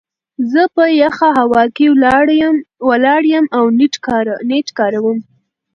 زه په يخه هوا کې ولاړ يم او نيټ کاروم.